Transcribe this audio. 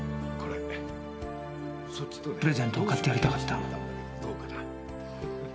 プレゼントを買ってやりたかった。